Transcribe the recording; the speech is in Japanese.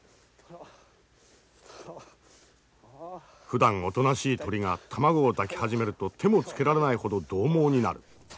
ふだんおとなしい鳥が卵を抱き始めると手もつけられないほどどう猛になる。